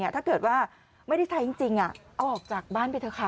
ถ้าเกิดว่าไม่ได้ใช้จริงเอาออกจากบ้านไปเถอะค่ะ